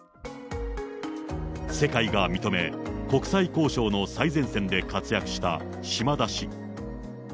世界が認め、国際交渉の最前線で活躍した島田氏。